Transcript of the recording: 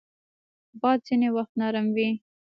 باد ځینې وخت نرم وي